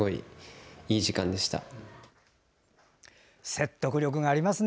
説得力がありますね